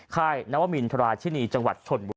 ค่ายนวมินทราชินีจังหวัดชนบุรี